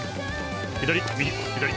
左右左右。